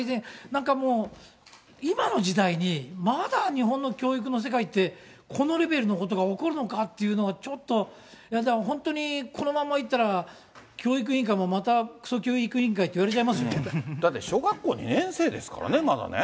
なんかもう、今の時代に、まだ日本の教育の世界って、このレベルのことが起こるのかっていうのが、ちょっと本当に、このままいったら教育委員会もまたくそ教育委員会っていわれちゃだって小学校２年生ですからね、まだね。